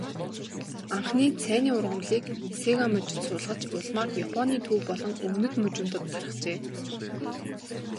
Анхны цайны ургамлыг Сига мужид суулгаж, улмаар Японы төв болон өмнөд мужуудад тархжээ.